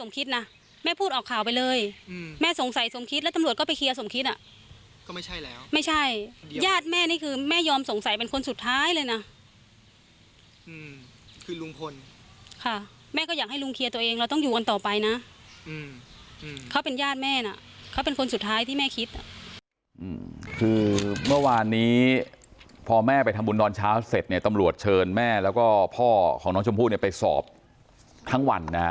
คิดนะแม่พูดออกข่าวไปเลยแม่สงสัยสมคิดแล้วตำรวจก็ไปเคลียร์สมคิดอ่ะไม่ใช่แม่นี่คือแม่ยอมสงสัยเป็นคนสุดท้ายเลยนะค่ะแม่ก็อยากให้ลุงเคลียร์ตัวเองเราต้องอยู่กันต่อไปนะเขาเป็นยาดแม่น่ะเขาเป็นคนสุดท้ายที่แม่คิดคือเมื่อวานนี้พอแม่ไปทำบุญนอนช้าเสร็จในตำรวจเชิญแม่แล้วก็พ่อของน้อง